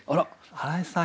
荒井さん